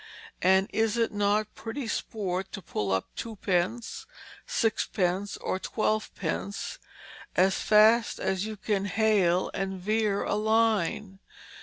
And is it not pretty sport to pull up twopence, sixpence, or twelvepence, as fast as you can hale and veare a line?